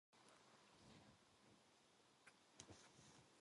그것은 희망이다.